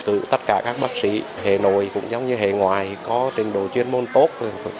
từ tất cả các bác sĩ hệ nội cũng như hệ ngoài có trình độ chuyên môn tốt